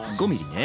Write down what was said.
５ｍｍね。